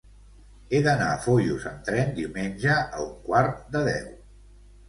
He d'anar a Foios amb tren diumenge a un quart de deu.